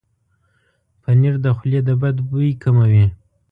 پنېر د خولې د بد بوي کموي.